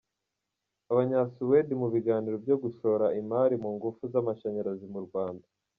Abanyasuwedi mu biganiro byo gushora imari mu ngufu z’amashanyarazi mu Rwanda